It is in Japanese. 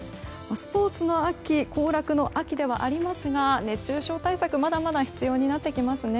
スポーツの秋行楽の秋ではありますが熱中症対策まだまだ必要になってきますね。